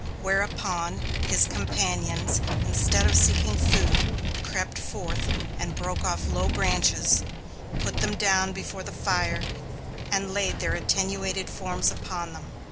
Whereupon, his companions, instead of seeking food, crept forth and broke off low branches, put them down before the fire and laid their attenuated forms upon them.